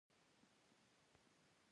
د روغتیا او ځواک میوو کور.